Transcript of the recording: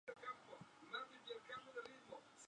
Sólo la Corona de Aragón sufrió menos la crisis.